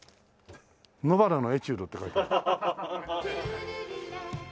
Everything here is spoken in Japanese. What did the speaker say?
『野ばらのエチュード』って書いてある。